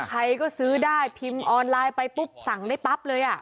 ใครก็ซื้อได้พิมพ์ออนไลน์ไปปุ๊บสั่งได้ปั๊บเลย